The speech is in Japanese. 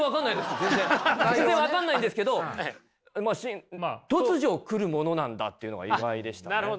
全然分かんないんですけど突如来るものなんだというのが意外でしたね。